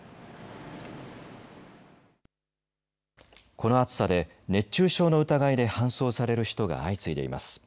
この暑さで熱中症の疑いで搬送される人が相次いでいます。